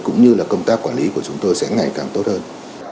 cũng như là công tác quản lý của chúng tôi sẽ ngày càng tốt hơn